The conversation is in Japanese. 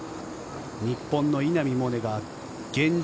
日本の稲見萌寧が現状